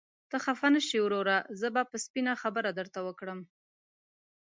ته خفه نشې وروره، زه به سپينه خبره درته وکړم.